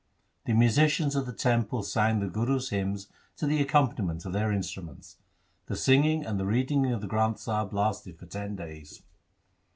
The musicians of the temple sang the Gurus' hymns to the accompaniment of their instru ments. The singing and the reading of the Granth Sahib lasted for ten days.